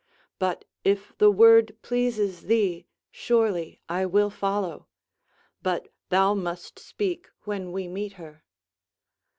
But if the word pleases thee, surely I will follow; but thou must speak when we meet her."